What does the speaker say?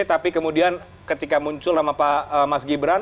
tapi kemudian ketika muncul nama pak mas gibran